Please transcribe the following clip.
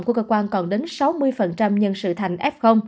của cơ quan còn đến sáu mươi nhân sự thành f